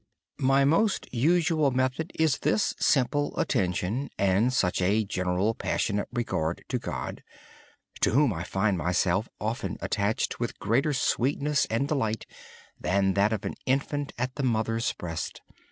My most usual method is this simple attention, an affectionate regard for God to whom I find myself often attached with greater sweetness and delight than that of an infant at the mother's breast.